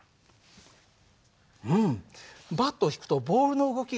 うんバットを引くとボールの動きが止まったよね。